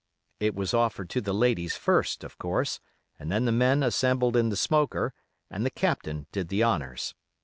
It was offered to the ladies first, of course, and then the men assembled in the smoker and the Captain did the honors.